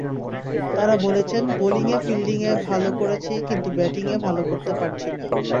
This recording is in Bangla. তারা বলেছেন, বোলিংয়ে-ফিল্ডিংয়ে ভালো করেছি কিন্তু ব্যাটিংয়ে ভালো করতে পারছি না।